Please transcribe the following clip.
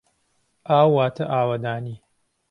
ئاو واتە ئاوەدانی.